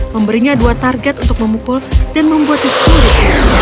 memberinya dua target untuk memukul dan membuat disuruh